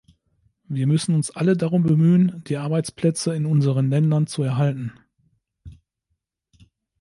Wir müssen uns alle darum bemühen, die Arbeitsplätze in unseren Ländern zu erhalten.